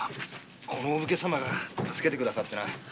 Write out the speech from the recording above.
このお武家様が助けてくださった。